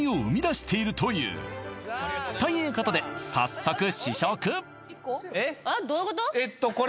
生み出しているというということで早速試食・１個？